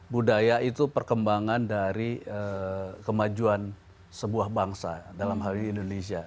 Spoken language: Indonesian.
budaya itu perkembangan dari kemajuan sebuah bangsa dalam hal ini indonesia